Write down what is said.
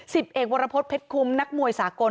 สิบเอกวรพฤษเพชรคุ้มนักมวยสากล